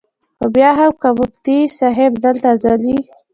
خو بیا هم کۀ مفتي صېب دلته ازلي ،